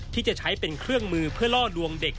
ที่จะใช้เป็นเครื่องมือเพื่อล่อลวงเด็ก